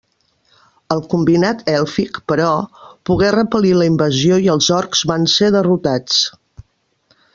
El combinat èlfic, però, pogué repel·lir la invasió i els orcs van ser derrotats.